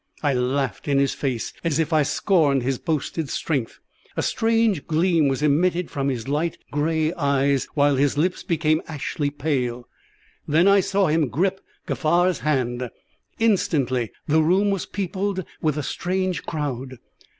I laughed in his face, as if I scorned his boasted strength. A strange gleam was emitted from his light grey eyes, while his lips became ashy pale. Then I saw him grip Kaffar's hand. Instantly the room was peopled with a strange crowd.